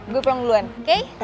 gue pulang duluan oke